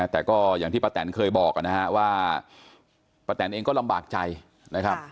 แต่ก็อย่างที่ป้าแตนเคยบอกนะฮะว่าป้าแตนเองก็ลำบากใจนะครับ